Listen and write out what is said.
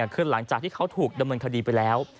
คือหลังจากที่เขาถูกดำเนินคดีไปแล้ว